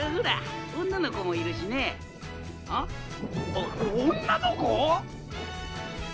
お女の子！？